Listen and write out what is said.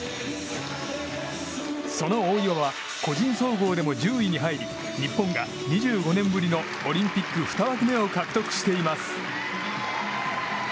その大岩は個人総合でも１０位に入り日本が２５年ぶりのオリンピック２枠目を獲得しています。